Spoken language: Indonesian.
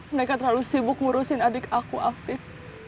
mereka terlalu sibuk ngurusin adik aku afif